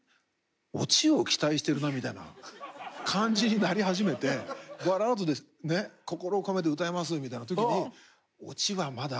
オチを期待してるなみたいな感じになり始めてバラードでね「心を込めて歌います」みたいな時に「オチはまだ？」みたいな感じですからね。